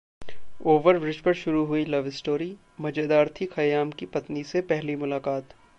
overbridge पर शुरू हुई लव स्टोरी, मजेदार थी खय्याम की पत्नी से पहली मुलाकात